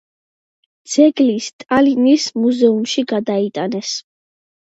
ძეგლი სტალინის მუზეუმში გადაიტანეს.